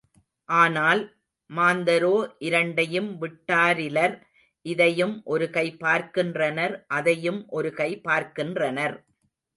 ஆனால், மாந்தரோ இரண்டையும் விட்டாரிலர் இதையும் ஒரு கை பார்க்கின்றனர் அதையும் ஒரு கை பார்க்கின்றனர்.